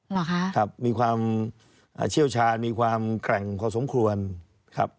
เหรอคะครับมีความเชี่ยวชาญมีความแกร่งพอสมควรครับ